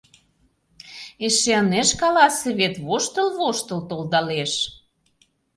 Эше ынеж каласе вет, воштыл-воштыл толдалеш.